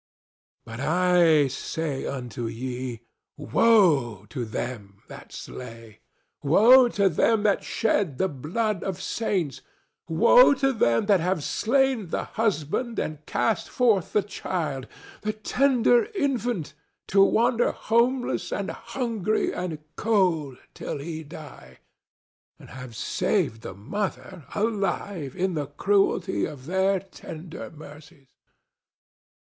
rsquo; But I say unto ye, Woe to them that slay! Woe to them that shed the blood of saints! Woe to them that have slain the husband and cast forth the child, the tender infant, to wander homeless and hungry and cold till he die, and have saved the mother alive in the cruelty of their tender mercies!